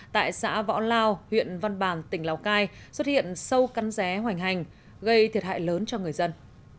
tại xã võ lao huyện văn bàn tỉnh lào cai xuất hiện sâu cắn dé hoành hành gây thiệt hại lớn cho người dân